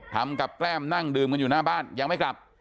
ทำกับแกล้มนั่งดื่มกันอยู่หน้าบ้านยังไม่กลับ